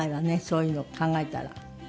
そういうの考えたら。